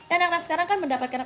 anak anak sekarang kan mendapatkan